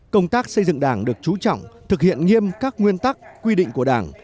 công tác xây dựng đảng được chú trọng thực hiện nghiêm các nguyên tắc quy định của đảng